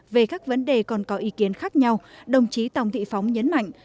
về các vấn đề còn có ý kiến khác nhau đồng chí tòng thị phóng nhấn mạnh